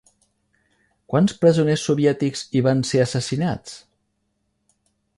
Quants presoners soviètics hi van ser assassinats?